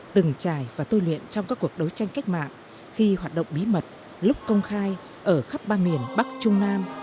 từng trải và tôi luyện trong các cuộc đấu tranh cách mạng khi hoạt động bí mật lúc công khai ở khắp ba miền bắc trung nam